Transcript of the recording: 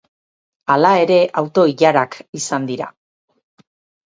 Hala ere, auto-ilarak izan dira.